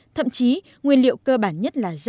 thậm chí nguyên liệu cơ bản nhất là da